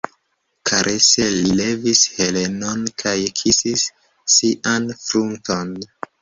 Karese li levis Helenon kaj kisis ŝian frunton.